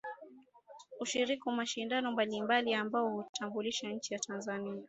kushiriki mashindano mbalimbali ambayo huitambulisha nchi ya Tanzania